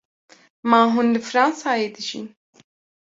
Ma hûn li Fransayê dijîn?